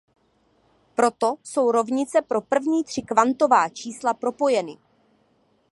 Proto jsou rovnice pro první tři kvantová čísla propojeny.